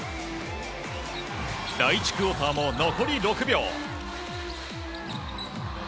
第１クオーターも残り６秒。